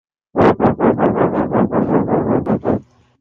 Mahabo Mananivo est située au sud de la côte orientale de Madagascar.